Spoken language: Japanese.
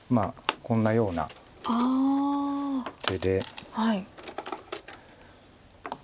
こんなような形です。